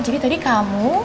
oh jadi tadi kamu